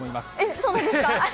そうなんですか？